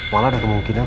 malah ada kemungkinan